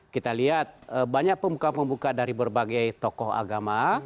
kita lihat banyak pembuka pembuka dari berbagai tokoh agama